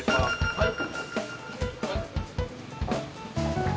はい。